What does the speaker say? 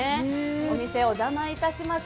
お店、お邪魔いたします。